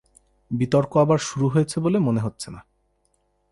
বিতর্ক আবার শুরু হয়েছে বলে মনে হচ্ছে না।